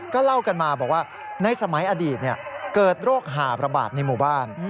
เล่ากันมาบอกว่าในสมัยอดีตเกิดโรคหาประบาดในหมู่บ้าน